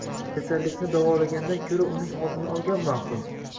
Kasallikni davolagandan ko‘ra uning oldini olgan ma’qul